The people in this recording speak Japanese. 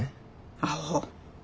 アホ。